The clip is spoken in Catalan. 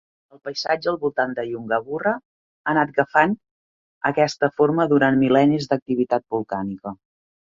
El paisatge al voltant de Yungaburra ha anat agafant aquesta forma durant mil·lennis d'activitat volcànica.